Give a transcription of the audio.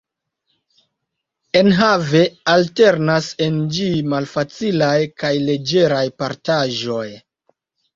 Enhave, alternas en ĝi malfacilaj kaj leĝeraj partaĵoj.